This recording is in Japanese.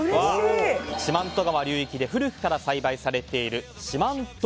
四万十川流域で古くから栽培されている四万十